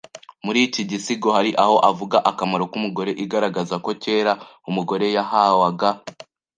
Muri iki gisigo hari aho avuga akamaro k’umugore igaragaza ko kera umugore yahawaga